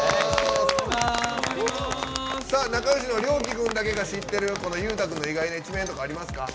仲よしのＲＹＯＫＩ君だけが知ってるユウタ君の意外な一面とかありますか？